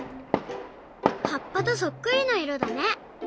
はっぱとそっくりないろだね！